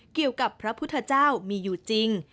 เกี่ยวกับพระพุทธเจ้ามีอยู่จริง